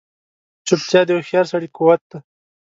چوپتیا، د هوښیار سړي قوت دی.